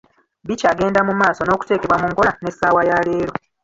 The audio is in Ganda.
Bikyagenda mu maaso n'okuteekebwa mu nkola n'essaawa ya leero.